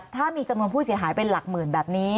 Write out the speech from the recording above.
ถ้ามีจำนวนผู้เสียหายเป็นหลักหมื่นแบบนี้